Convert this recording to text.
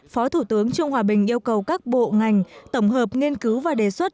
phó thủ tướng trương hòa bình yêu cầu các bộ ngành tổng hợp nghiên cứu và đề xuất